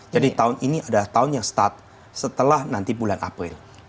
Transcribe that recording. jadi tahun ini adalah tahun yang mulai setelah bulan april